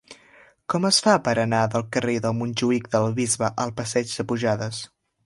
Com es fa per anar del carrer de Montjuïc del Bisbe al passeig de Pujades?